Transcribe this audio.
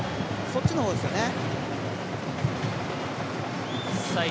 そっちのほうですよね。